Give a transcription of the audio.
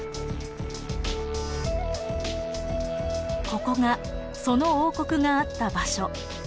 ここがその王国があった場所。